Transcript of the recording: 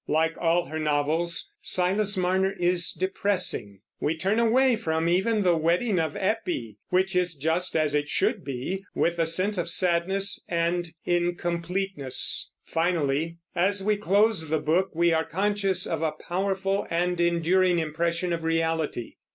Like all her novels, Silas Marner is depressing. We turn away from even the wedding of Eppie which is just as it should be with a sense of sadness and incompleteness. Finally, as we close the book, we are conscious of a powerful and enduring impression of reality.